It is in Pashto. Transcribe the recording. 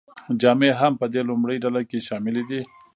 جامې هم په دې لومړۍ ډله کې شاملې دي.